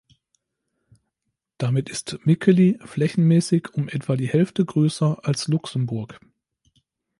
Damit ist Mikkeli flächenmäßig um etwa die Hälfte größer als Luxemburg.